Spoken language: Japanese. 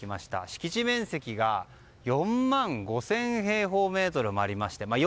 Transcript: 敷地面積が４万５０００平方メートルもありまして４．５